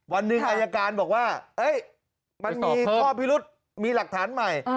วันหนึ่งอายการบอกว่ามันมีข้อพิรุษมีหลักฐานใหม่